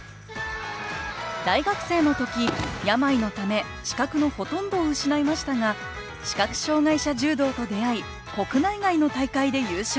大学生の時病のため視覚のほとんどを失いましたが視覚障害者柔道と出会い国内外の大会で優勝。